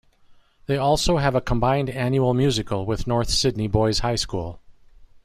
They also have a combined Annual Musical with North Sydney Boys High School.